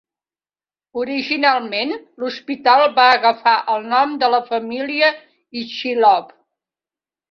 Originalment, l'hospital va agafar el nom de la família Ichilov.